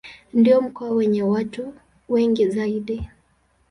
Ndio mkoa wenye watu wengi zaidi.